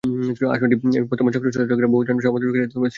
আসনটির বর্তমান সংসদ সদস্য হলেন বহুজন সমাজবাদী পার্টি-এর শ্রী সত্য পাল সিং।